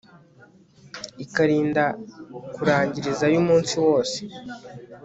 ikarinda kurangirizayo umunsi wose